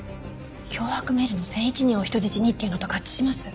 脅迫メールの「１００１人を人質に」っていうのと合致します。